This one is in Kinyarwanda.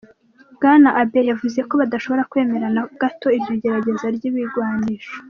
Bwana Abe yavuze ko badashobora kwemera na gato iryo gerageza ry'ibigwanisho.